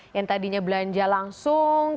yang tadinya belanja langsung